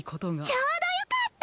ちょうどよかった！